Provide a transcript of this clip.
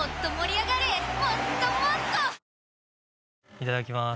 いただきます。